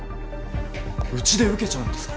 うちで受けちゃうんですか？